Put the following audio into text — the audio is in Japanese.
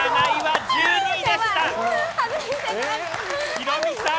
ヒロミさん！